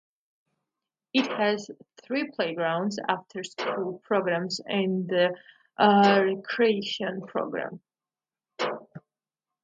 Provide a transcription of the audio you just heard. It has three playgrounds, after-school programs, and a recreation program.